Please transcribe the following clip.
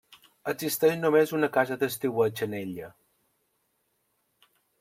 Existeix només una casa d'estiueig en ella.